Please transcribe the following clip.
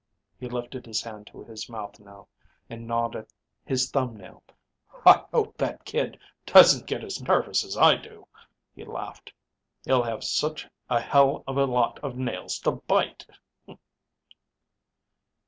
He lifted his hand to his mouth now and gnawed at his thumb nail. "I hope that kid doesn't get as nervous as I do," he laughed. "He'll have such a hell of a lot of nails to bite."